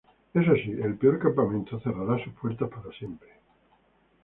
Eso sí, el peor campamento cerrará sus puertas para siempre.